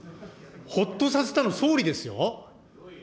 ほっとさせたの、総理ですよ。